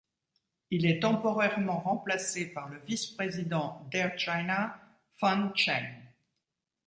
Il est temporairement remplacé par le vice-président d'Air China, Fan Cheng.